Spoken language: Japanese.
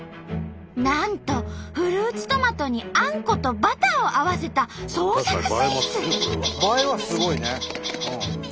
なんとフルーツトマトにあんことバターを合わせた創作スイーツ。